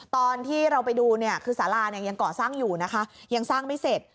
ตอนที่เราไปดูคือสาลายังก่อสร้างอยู่ยังสร้างไม่เสร็จ